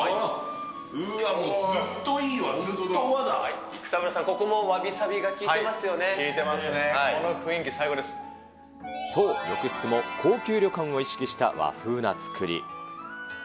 うーわっ、もうずっといいわ、育三郎さん、ここもわびさび効いてますよね、この雰囲気、そう、浴室も高級旅館を意識した和風な造り。